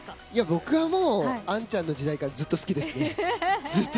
僕は、あんちゃんの時代からずっと好きです。